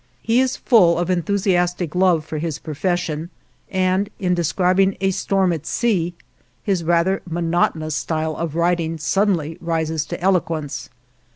He is full of enthusiastic love for his profession, and in describing a storm at sea his rather monotonous style of writing suddenly rises to eloquence.